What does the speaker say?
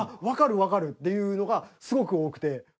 わかる！っていうのがすごく多くて。